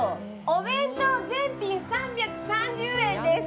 お弁当全品３３０円です。